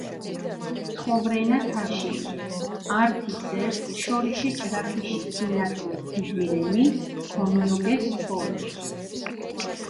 ცხოვრენა თაშინი, ართი სერს შორიშე ჭრაქიში სინათლე ქიძირენი, ქომიოგეს თოლი.